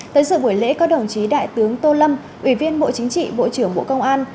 tới sự buổi lễ có đồng chí đại tướng tô lâm ủy viên bộ chính trị bộ trưởng bộ công an